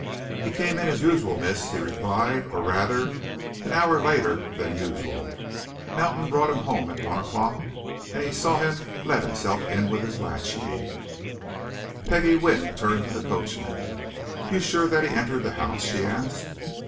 "He came in as usual, miss," he replied. "Or rather an hour later than usual. Mountain brought him home at one o'clock, and he saw him let himself in with his latch key." Peggie Wynne turned to the coachman. "You're sure that he entered the house?" she asked.